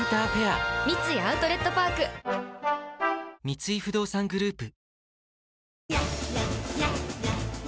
三井不動産グループ